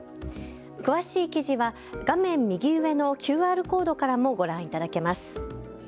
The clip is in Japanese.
詳しい記事は画面右上のＱＲコードからもご覧いただけます。